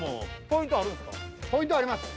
ポイントあります。